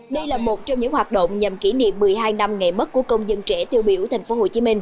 đây là một trong những hoạt động nhằm kỷ niệm một mươi hai năm nghệ mất của công dân trẻ tiêu biểu tp hcm